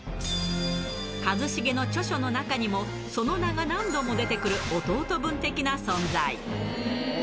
一茂の著書の中にも、その名が何度も出てくる弟分的な存在。